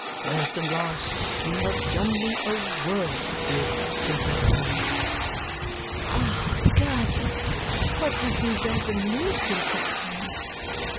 First and last you have done me a world of good since that time." "Ah, guardian, what have you done for me since that time!"